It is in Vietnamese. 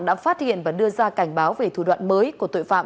đã phát hiện và đưa ra cảnh báo về thủ đoạn mới của tội phạm